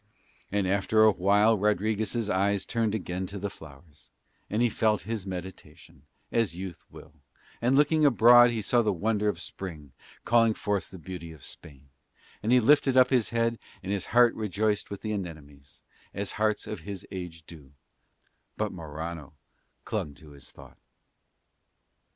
And after a while Rodriguez' eyes turned again to the flowers, and he felt his meditation, as youth will, and looking abroad he saw the wonder of Spring calling forth the beauty of Spain, and he lifted up his head and his heart rejoiced with the anemones, as hearts at his age do: but Morano clung to his thought.